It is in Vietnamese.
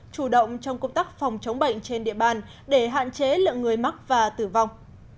chủ động trong công tác phòng chống bệnh trên địa bàn để hạn chế lượng người mắc và tử vong